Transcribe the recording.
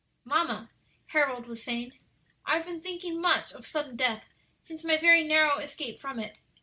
"Mamma," Harold was saying, "I have been thinking much of sudden death since my very narrow escape from it.